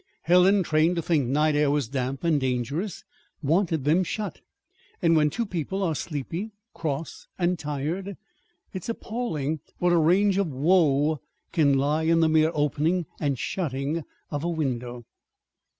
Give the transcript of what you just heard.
Helen, trained to think night air was damp and dangerous, wanted them shut. And when two people are sleepy, cross, and tired, it is appalling what a range of woe can lie in the mere opening and shutting of a window.